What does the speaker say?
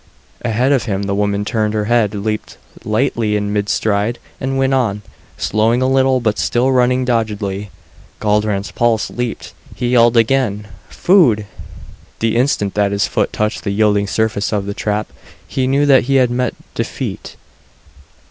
Ahead of him the woman turned her head, leaped lightly in mid stride, and went on; slowing a little but still running doggedly. Guldran's pulse leaped. He yelled again, "Food!" The instant that his foot touched the yielding surface of the trap, he knew that he had met defeat.